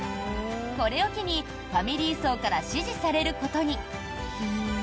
これを機にファミリー層から支持されることに。